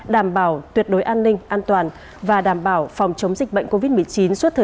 đảm bảo tuyệt đối an ninh an toàn và đảm bảo phòng chống dịch bệnh covid một mươi chín suốt thời gian diễn ra sea games ba mươi một